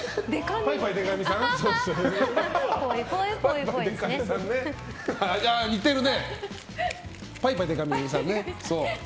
パイパイでか美さんね。